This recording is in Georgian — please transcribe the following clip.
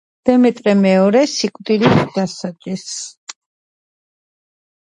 იყო აგრარული და სამეურნეო-საგამგეო კომისიების წევრი.